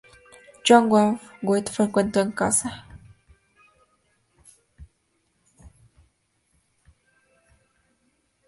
Johann Wolfgang von Goethe frecuentó esta casa.